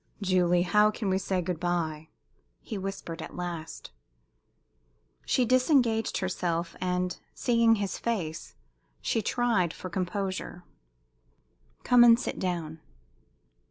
"Julie, how can we say good bye?" he whispered, at last. She disengaged herself, and, seeing his face, she tried for composure. "Come and sit down."